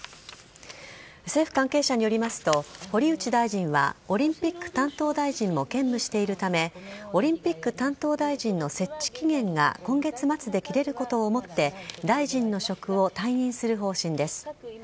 政府関係者によりますと堀内大臣はオリンピック担当大臣も兼務しているためオリンピック担当大臣の設置期限が今月末で切れることをもって大臣の職を退任する方針です。